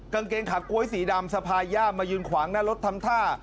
กางเกงขาก๊วยสีดำสะพายย่ามมายืนขวางหน้ารถทำท่า